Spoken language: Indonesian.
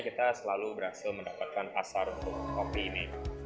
kita selalu berhasil mendapatkan asar untuk kopi ini